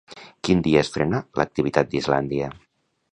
Quin dia es frenà l'activitat d'Islàndia?